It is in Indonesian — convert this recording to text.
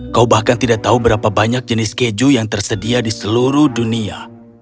kau bahkan tidak tahu berapa banyak jenis keju yang tersedia di seluruh dunia